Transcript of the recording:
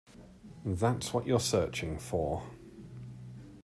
That's what you're searching for.